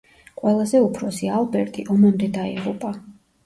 ყველაზე უფროსი, ალბერტი, ომამდე დაიღუპა.